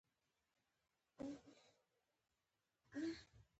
دا حقیقت زما په وجود کې د یو وحشي حیوان په څیر دی